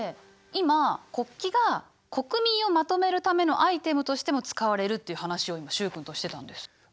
今国旗が国民をまとめるためのアイテムとしても使われるという話を今習君としてたんです。